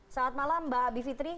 selamat malam mbak bivitri